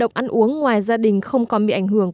doanh thu bán uống ngoài gia đình không còn bị ảnh hưởng